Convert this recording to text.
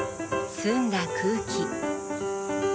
澄んだ空気。